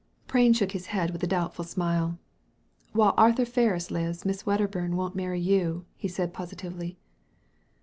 Prain shook his head with a doubtful smile. " While Arthur Ferris lives Miss Wcdderbum won't marry you," he said positively.